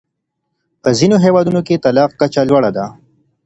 په ځینو هېوادونو کې د طلاق کچه لوړه ده.